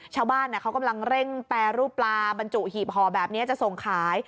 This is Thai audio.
ชาวบ้านเขากำลังเร่งแปรรูปปลาบรรจุหีบห่อแบบนี้จะส่งขาย